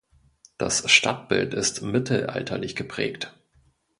Das Stadtbild ist mittelalterlich geprägt.